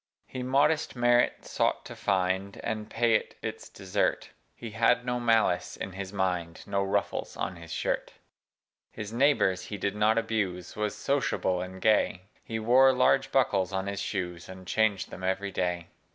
He modest merit sought to find, And pay it its desert: He had no malice in his mind, No ruffles on his shirt. His neighbors he did not abuse Was sociable and gay: He wore large buckles on his shoes. And changed them every day.